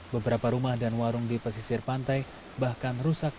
beberapa rumah dan warung di pesisir pantai bahkan rusak